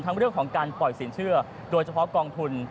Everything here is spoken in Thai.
เรื่องของการปล่อยสินเชื่อโดยเฉพาะกองทุน